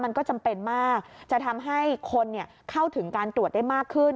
มันก็จำเป็นมากจะทำให้คนเข้าถึงการตรวจได้มากขึ้น